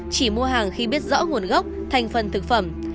chỉ mua hàng khi biết rõ nguồn gốc thành phần thực phẩm